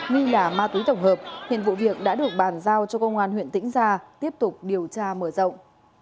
nghi là ma túy tổng hợp hiện vụ việc đã được bàn giao cho công an huyện tĩnh gia tiếp tục điều tra mở rộng